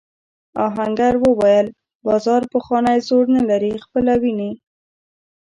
آهنګر وویل بازار پخوانی زور نه لري خپله وینې.